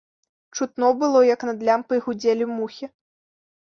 Чутно было, як над лямпай гудзелі мухі.